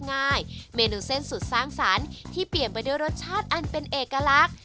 นานนี้คือมาให้ทานที่เปลี่ยนไปด้วยรสชาติอันเป็นเอกลักษณ์